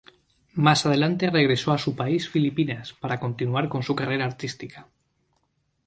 Más adelante regresó a su país Filipinas, para continuar con su carrera artística.